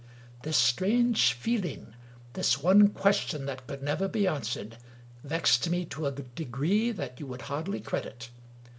This strange feeling, this one question that could never be an swered, vexed me to a degree that you would hardly credit.